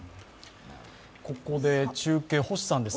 ここで中継、星さんです。